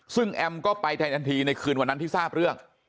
ซึ่งแอมก็ไปไทยทันทีในคืนวันนั้นที่ทราบเรื่อง